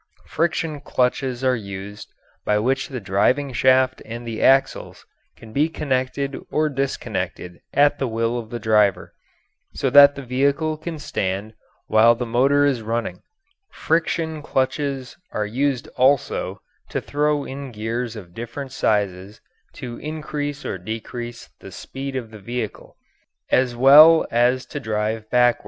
Friction clutches are used by which the driving shaft and the axles can be connected or disconnected at the will of the driver, so that the vehicle can stand while the motor is running; friction clutches are used also to throw in gears of different sizes to increase or decrease the speed of the vehicle, as well as to drive backward.